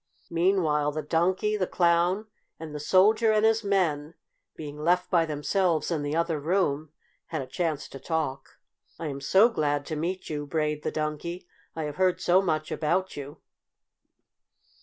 Meanwhile the Donkey, the Clown, and the Soldier and his men, being left by themselves in the other room, had a chance to talk. "I am so glad to meet you," brayed the Donkey. "I have heard so much about you."